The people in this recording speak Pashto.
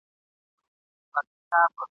ځلېدل یې د لمر وړانګو کي موجونه ..